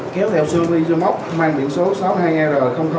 kéo theo xương đi dưa móc mang biển số sáu mươi hai r một trăm linh tám